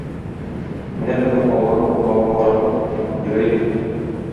Менә безнең алманы урлаган каракны тоттым, йөгерик.